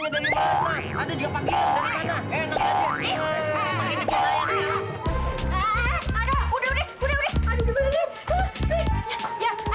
gue pasti ke tempat ngebang